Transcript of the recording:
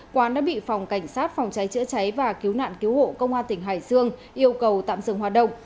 quán đã bị phòng cảnh sát phòng cháy chữa cháy và cứu nạn cứu hộ công an tỉnh hải dương yêu cầu tạm dừng hoạt động